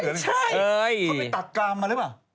ไม่ใช่เขาไม่ตัดกรามมาเลยหรือป่ะ